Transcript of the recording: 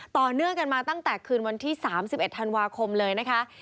ต่อเนื่องกันมาตั้งแต่คืนวันที่๓๑ธันวาคมเลยนะคะ